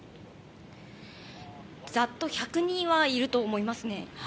ざっと１００人はいると思いますね。